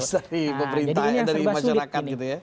simpatis dari pemerintah dari masyarakat gitu ya